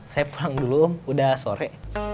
saya pulang dulu udah sore